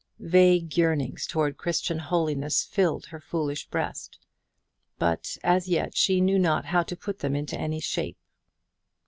Vague yearnings towards Christian holiness filled her foolish breast; but as yet she knew not how to put them into any shape.